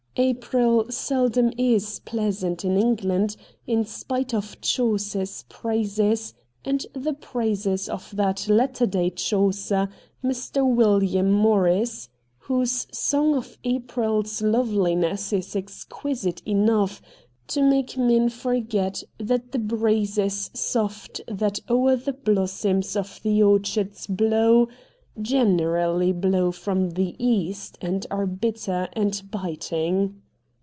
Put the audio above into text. April seldom is pleasant in England, in spite of Chaucer's praises and the praises of that latter day Chaucer, Mr. William Morris, whose song of April's ' loveliness ' is exquisite enough to make men forget that the ' breezes soft that o'er the blossoms of the orchards blow ' generally blow from the east, and are bitter and biting.